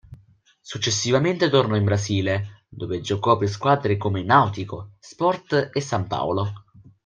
Successivamente tornò in Brasile, dove giocò per squadre come Náutico, Sport e San Paolo.